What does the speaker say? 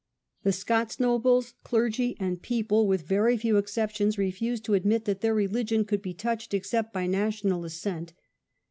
The Scots nobles, clergy, and people, with THE COVENANT. 29 very few exceptions, refused to admit that their religion could be touched except by national assent.